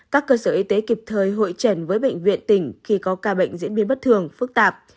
các cơ sở y tế kịp thời hội trần với bệnh viện tỉnh khi có ca bệnh diễn biến bất thường phức tạp